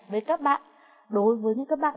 với các bạn đối với những các bạn